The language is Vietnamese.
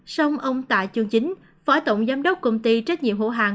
xong ông tạ chương chính phó tổng giám đốc công ty trách nhiệm hữu hàng